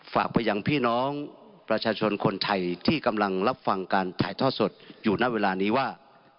ฝากไปยังพี่น้องประชาชนคนไทยที่กำลังรับฟังการถ่ายทอดสดอยู่ณเวลานี้ว่า